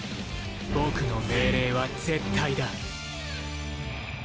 僕の命令は絶対だ。